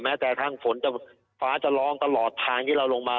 แม้แต่ทางฝนฟ้าจะร้องตลอดทางที่เราลงมา